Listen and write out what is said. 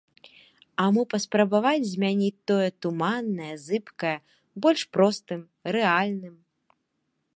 А мо паспрабаваць змяніць тое туманнае, зыбкае больш простым, рэальным?